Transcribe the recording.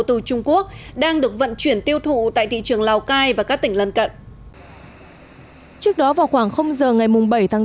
từ trung quốc đang được vận chuyển tiêu thụ tại thị trường lào cai và các tỉnh lân cận